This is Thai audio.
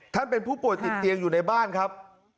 เป็นผู้ป่วยติดเตียงอยู่ในบ้านครับ